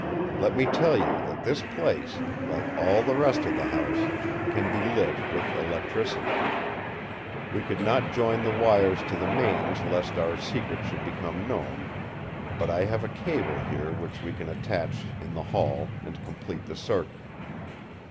Let me tell you that this place, like all the rest of the house, can be lit with electricity. We could not join the wires to the mains lest our secret should become known, but I have a cable here which we can attach in the hall and complete the circuit!"